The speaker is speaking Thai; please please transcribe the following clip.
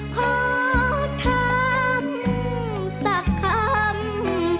ขอทำสักคำ